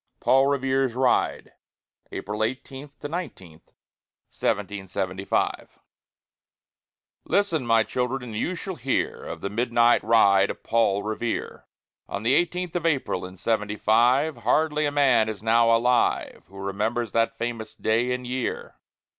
PAUL REVERE'S RIDE [April 18 19, 1775] Listen, my children, and you shall hear Of the midnight ride of Paul Revere, On the eighteenth of April, in Seventy five; Hardly a man is now alive Who remembers that famous day and year.